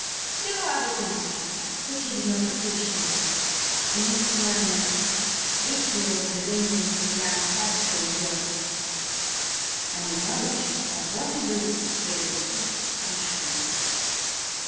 There were other things, too, which he did not appreciate ease of manner, victory over the lingering Lancastrian burr, and a knowledge of what to do with his feet and hands.